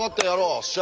おっしゃ！